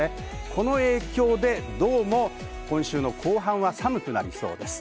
この影響で今週の後半は寒くなりそうです。